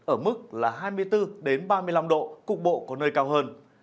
ở mức là hai mươi bốn ba mươi năm độ cục bộ có nơi cao hơn